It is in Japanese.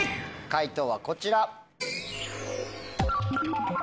解答はこちら。